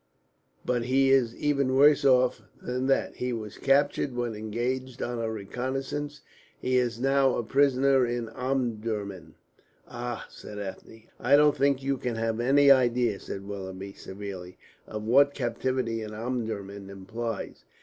But he is even worse off than that. He was captured when engaged on a reconnaissance. He is now a prisoner in Omdurman." "Ah!" said Ethne. "I don't think you can have any idea," said Willoughby, severely, "of what captivity in Omdurman implies.